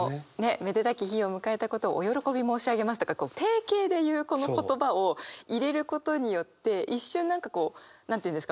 「めでたき日を迎えたことをお喜び申し上げます」とか定型で言うこの言葉を入れることによって一瞬何かこう何て言うんですか？